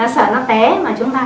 sợ nó té mà chúng ta